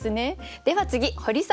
では次ホリさん